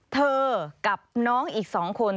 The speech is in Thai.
เถอะกับน้องอีกสองคน